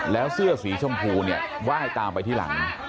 แล้วเสื้อสีชมพูเนี่ยไหว้ตามไปที่หลัง